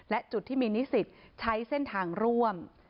และจุดที่มีนิสิตใช้เส้นทางร่วม